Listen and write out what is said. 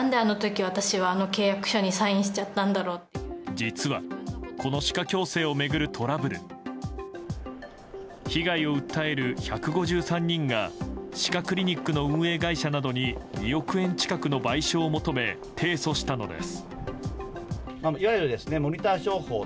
実はこの歯科矯正を巡るトラブル被害を訴える１５３人が歯科クリニックの運営会社などに２億円近くの賠償を求め提訴したのです。